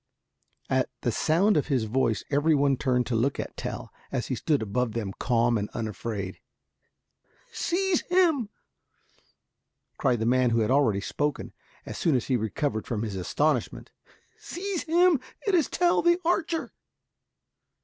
At the sound of his voice every one turned to look at Tell, as he stood above them calm and unafraid. "Seize him!" cried the man who had already spoken, as soon as he recovered from his astonishment. "Seize him, it is Tell the archer."